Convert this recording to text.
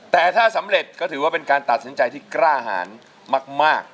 แต่ถ้าสำเร็จก็ถือว่าเป็นการตัดสินใจที่กล้าหารมาก